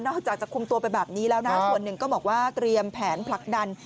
จากจะคุมตัวไปแบบนี้แล้วนะส่วนหนึ่งก็บอกว่าเตรียมแผนผลักดัน